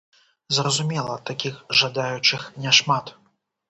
Зразумела, такіх жадаючых няшмат.